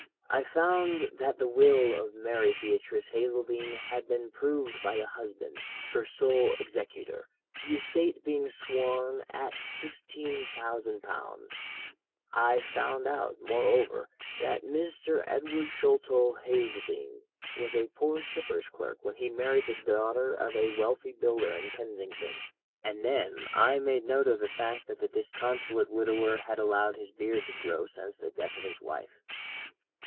"I found that the will of Mary Beatrice Hazeldene had been proved by the husband, her sole executor, the estate being sworn at £15,000. I found out, moreover, that Mr. Edward Sholto Hazeldene was a poor shipper's clerk when he married the daughter of a wealthy builder in Kensington and then I made note of the fact that the disconsolate widower had allowed his beard to grow since the death of his wife.